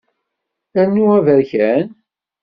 Rnu aberkan.